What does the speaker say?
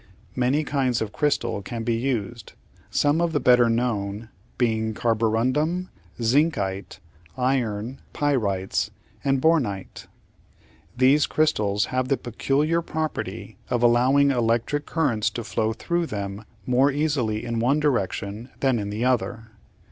Many kinds of crystal can be used, some of the better known being carborundum, zincite, iron pyrites, and bornite. These crystals have the peculiar property of allowing electric currents to flow through them more easily in one direction than in the other.